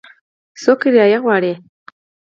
څو کرایه غواړي ؟